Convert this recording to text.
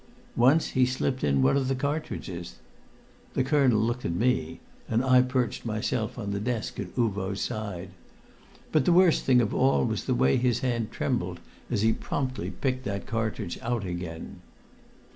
Once he slipped in one of the cartridges. The colonel looked at me, and I perched myself on the desk at Uvo's side. But the worst thing of all was the way his hand trembled as he promptly picked that cartridge out again.